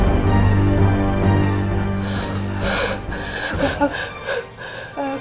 aku gak suka jadi